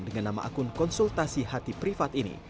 dengan nama akun konsultasi hati privat ini